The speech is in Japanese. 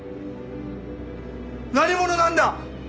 何者なんだ！？